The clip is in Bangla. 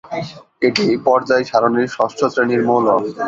এটি পর্যায় সারণীর ষষ্ঠ শ্রেণীর মৌল।